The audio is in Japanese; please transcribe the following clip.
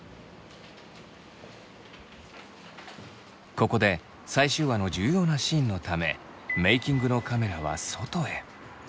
ここで最終話の重要なシーンのためメイキングのカメラは外へ。